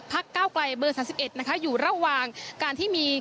พักเก้ากลายเบอร์สามสิบเอ็ดนะคะอยู่ระหว่างการที่มี